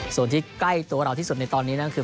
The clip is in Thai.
ส่วนที่ใกล้ตัวเราที่สุดในตอนนี้นั่นคือ